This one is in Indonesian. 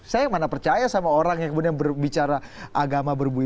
saya mana percaya sama orang yang kemudian berbicara agama